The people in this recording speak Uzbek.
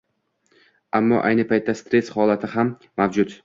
Ammo ayni paytda stress holati ham mavjud